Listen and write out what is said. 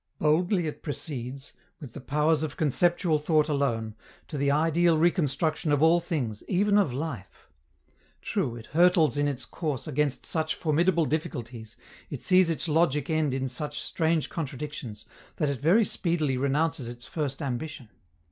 Boldly it proceeds, with the powers of conceptual thought alone, to the ideal reconstruction of all things, even of life. True, it hurtles in its course against such formidable difficulties, it sees its logic end in such strange contradictions, that it very speedily renounces its first ambition.